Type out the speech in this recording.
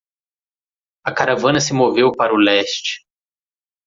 A caravana se moveu para o leste.